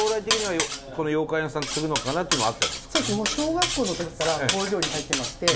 そうですね。小学校の時から工場に入ってまして。